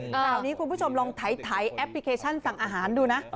คราวนี้คุณผู้ชมลองถ่ายแอปพลิเคชันสั่งอาหารดูนะ